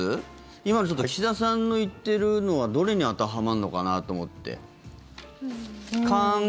今の岸田さんの言っているのはどれに当てはまるのかなと思って。